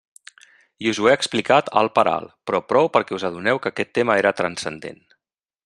I us ho he explicat alt per alt, però prou perquè us adoneu que aquest tema era transcendent.